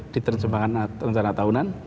diterjemahkan rencana tahunan